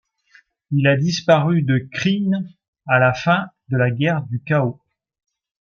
Il a disparu de Krynn à la fin de la guerre du Chaos.